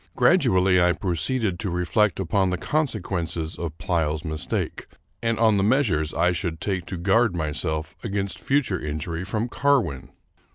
Gradually I proceeded to reflect upon the consequences of Pleyel's mistake, and on the measures I should take to guard myself against future injury from Carwin.